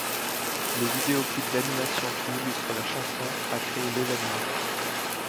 Le vidéoclip d'animation qui illustre la chanson a créé l’événement.